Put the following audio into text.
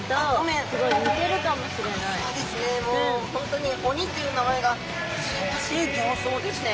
もう本当に鬼っていう名前がふさわしい形相ですね。